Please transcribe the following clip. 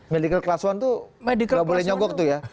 medical class satu itu nggak boleh nyogok ya